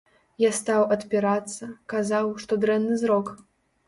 Я стаў адпірацца, казаў, што дрэнны зрок.